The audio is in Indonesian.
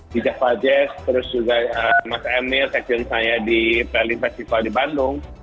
di java jazz terus juga mas emil sekjen saya di pelly festival di bandung